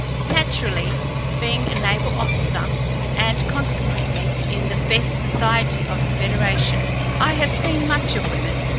Naturally, being a naval officer and consequently in the best society of the federation, I have seen much of women.